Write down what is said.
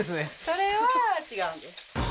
それは違うんです